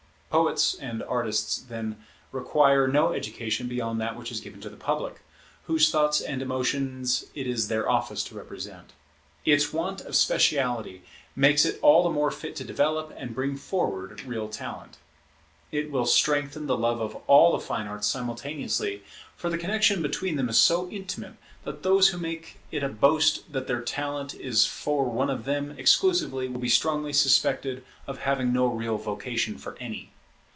Poets and artists, then, require no education beyond that which is given to the public, whose thoughts and emotions it is their office to represent. Its want of speciality makes it all the more fit to develop and bring forward real talent. It will strengthen the love of all the fine arts simultaneously; for the connexion between them is so intimate that those who make it a boast that their talent is for one of them exclusively will be strongly suspected of having no real vocation for any.